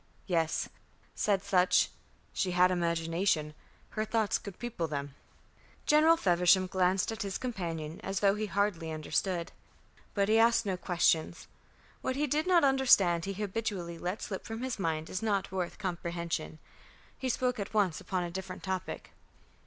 "Yes," said Sutch. "She had imagination. Her thoughts could people them." General Feversham glanced at his companion as though he hardly understood. But he asked no questions. What he did not understand he habitually let slip from his mind as not worth comprehension. He spoke at once upon a different topic.